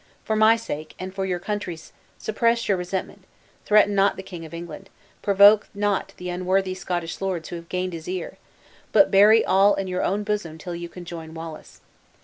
For my sake and for your country's, suppress your resentment, threaten not the King of England, provoke not the unworthy Scottish lords who have gained his ear; but bury all in your own bosom till you can join Wallace.